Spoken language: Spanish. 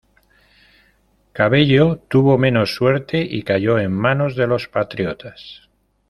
Cabello tuvo menos suerte y cayó en manos de los patriotas.